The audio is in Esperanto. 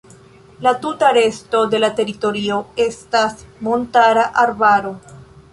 La tuta resto de la teritorio estas montara arbaro.